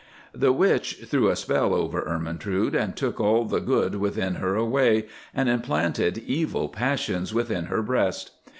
"The witch threw a spell over Ermentrude, and took all the good within her away, and implanted evil passions within her breast.